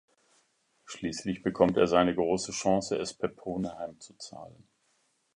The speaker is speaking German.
Schließlich bekommt er seine große Chance, es Peppone heimzuzahlen.